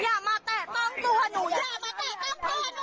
อย่ามาแตกต้องตัวหนูอย่ามาแตกต้องสินทรัพย์เงินตัวของหนู